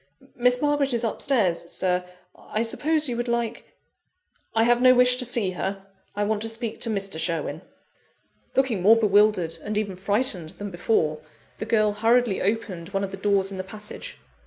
"Miss Margaret is upstairs, Sir. I suppose you would like " "I have no wish to see her: I want to speak to Mr. Sherwin." Looking more bewildered, and even frightened, than before, the girl hurriedly opened one of the doors in the passage.